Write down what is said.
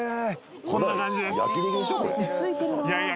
こんな感じですいや